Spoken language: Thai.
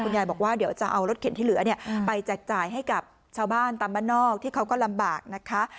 ยายบอกว่าเดี๋ยวจะเอารถเข็นที่เหลือเนี่ยไปแจกจ่ายให้กับชาวบ้านตามบ้านนอกที่เขาก็ลำบากนะคะ